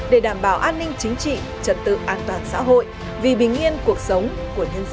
để đảm bảo an ninh chính trị trật tự an toàn xã hội vì bình yên cuộc sống của nhân dân